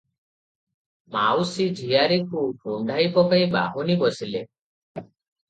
ମାଉସୀ ଝିଆରୀକୁ କୁଣ୍ଢାଇ ପକାଇ ବାହୁନି ବସିଲେ ।